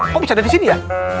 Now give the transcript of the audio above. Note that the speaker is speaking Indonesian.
kok bisa ada di sini ya